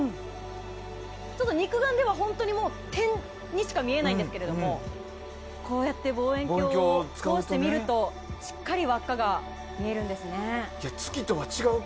肉眼では点にしか見えないんですがこうやって望遠鏡を通して見るとしっかり輪っかが見えるんですね。